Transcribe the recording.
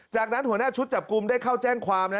จากนั้นหัวหน้าชุดจับกลุ่มได้เข้าแจ้งความนะ